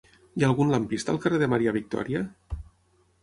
Hi ha algun lampista al carrer de Maria Victòria?